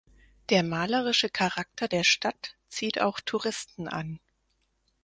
Der malerische Charakter der Stadt zieht auch Touristen an.